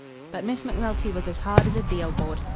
But Miss Macnulty was as hard as a deal board.